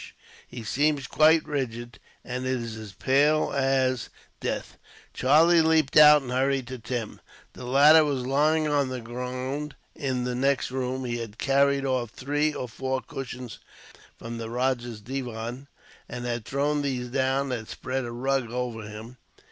He seems quite rigid, and is as pale as death." Charlie leaped out, and hurried to Tim. The latter was lying on the ground, in the next room. He had carried off three or four cushions, from the rajah's divan, and had thrown these down, and had spread a rug over him.